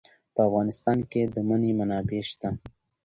په افغانستان کې د منی منابع شته.